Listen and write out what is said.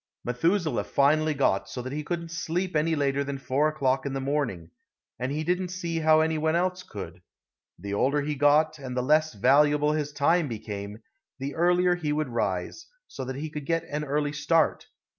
Methuselah finally got so that he couldn't sleep any later than 4 o'clock in the morning, and he didn't see how any one else could. The older he got, and the less valuable his time became, the earlier he would rise, so that he could get an early start.